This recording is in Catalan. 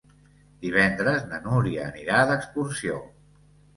Divendres na Núria anirà d'excursió.